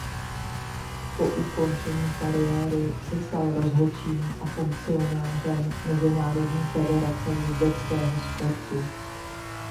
Po ukončení kariéry se stal rozhodčím a funkcionářem Mezinárodní federace jezdeckého sportu.